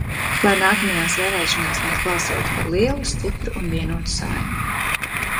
Lai nākamajās vēlēšanās mēs balsotu par lielu, stipru un vienotu Saeimu.